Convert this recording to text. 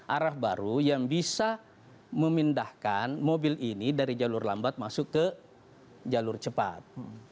arah baru yang bisa memindahkan mobil ini dari jalur lambat masuk ke jalur cepat